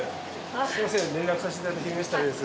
すみません連絡させていただいた「昼めし旅」です。